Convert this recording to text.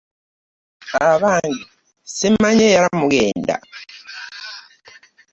Abange simanyi era mugenda?